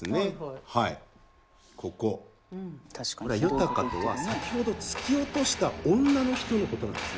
「夜鷹」とは先ほど突き落とした女の人のことなんです。